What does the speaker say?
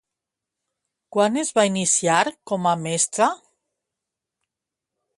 Quan es va iniciar com a mestra?